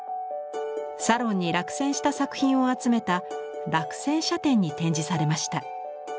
サロンに落選した作品を集めた落選者展に展示されました。